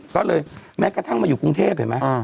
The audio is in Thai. ก็เลยแม้กระทั่งมาอยู่กรุงเทพเห็นไหม